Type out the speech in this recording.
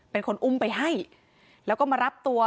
เป็นคนอุ้มไปให้แล้วก็มารับตัว